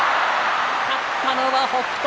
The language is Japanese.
勝ったのは北勝